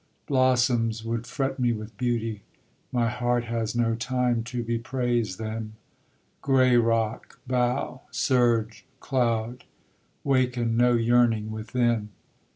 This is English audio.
Blossoms would fret me with beauty; my heart has no time to bepraise them; Gray rock, bough, surge, cloud, waken no yearning within.